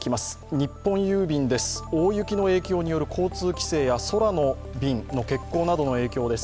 日本郵便です、大雪の影響による交通規制や空の便の欠航などの影響です。